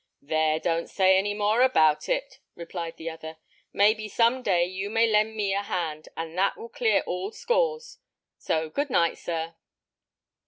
"There, don't say any more about it," replied the other. "May be some day you may lend me a hand, and that will clear all scores; so good night, sir!"